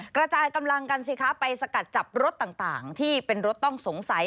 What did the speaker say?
กระจายกำลังกันสิคะไปสกัดจับรถต่างที่เป็นรถต้องสงสัย